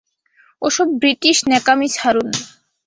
ওসব ব্রিটিশ ন্যাকামি ছাড়ুন।